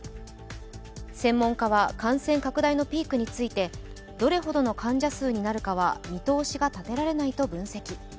専門家は感染拡大のピークについて、どれほどの患者数になるかは見通しが立てられないと分析。